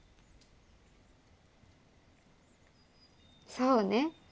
そうね。